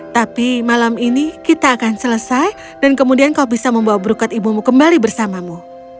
tapi malam ini kita akan selesai dan kemudian kau bisa membawa berukat ibumu kembali bersamamu